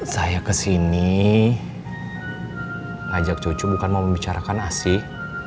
saya ajak cucu bukan mau membicarakan asih